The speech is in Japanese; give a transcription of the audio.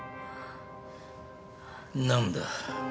何だ？